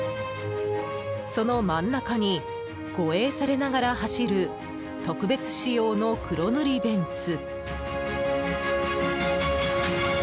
その真ん中に護衛されながら走る特別仕様の黒塗りベンツ。